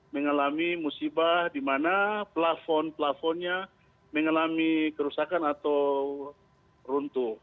mengalami musibah di mana plafon plafonnya mengalami kerusakan atau runtuh